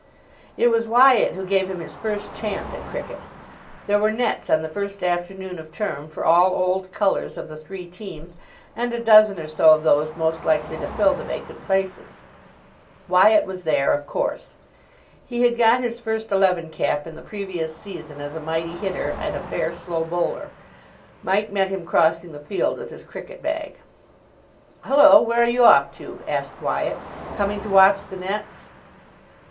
It was Wyatt who gave him his first chance at cricket. There were nets on the first afternoon of term for all old colours of the three teams and a dozen or so of those most likely to fill the vacant places. Wyatt was there, of course. He had got his first eleven cap in the previous season as a mighty hitter and a fair slow bowler. Mike met him crossing the field with his cricket bag. "Hullo, where are you off to?" asked Wyatt. "Coming to watch the nets?"